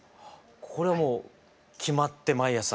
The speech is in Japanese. これもう決まって毎朝？